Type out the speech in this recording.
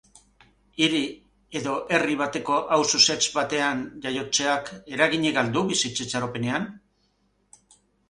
Hiri edo herri bateko auzo zehatz batean jaiotzeak eraginik al du bizitza itxaropenean?